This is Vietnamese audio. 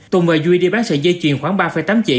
tùng và duy đi bán sợi dây chuyền khoảng ba tám chỉ